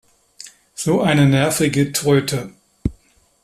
So eine nervige Tröte!